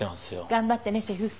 頑張ってねシェフ。